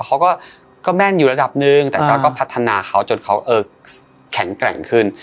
เขาก็แม่นอยู่ระดับหนึ่งแต่เราก็พัฒนาเขาจนเขาแข็งแกร่งขึ้น